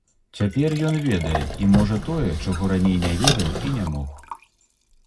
Цяпер ён ведае і можа тое, чаго раней не ведаў і не мог.